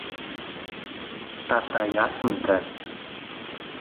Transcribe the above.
tatay atun kan